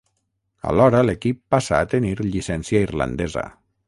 Alhora l'equip passa a tenir llicència irlandesa.